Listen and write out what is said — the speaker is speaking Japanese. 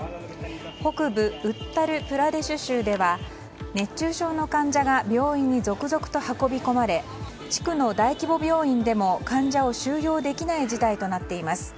北部ウッタルプラデシュ州では熱中症の患者が病院に続々と運び込まれ地区の大規模病院でも患者を収容できない事態となっています。